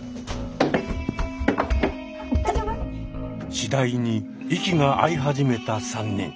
次第に息が合い始めた３人。